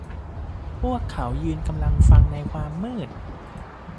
พวกเขายืนกำลังฟังในความมืด